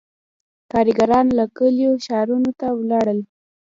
• کارګران له کلیو ښارونو ته ولاړل.